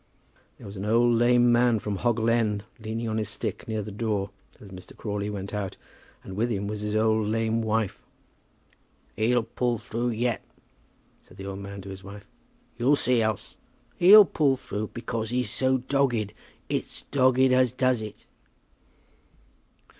There was an old lame man from Hoggle End leaning on his stick near the door as Mr. Crawley went out, and with him was his old lame wife. "He'll pull through yet," said the old man to his wife; "you'll see else. He'll pull through because he's so dogged. It's dogged as does it."